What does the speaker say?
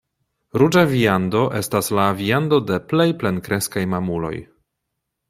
Ruĝa viando estas la viando de plej plenkreskaj mamuloj.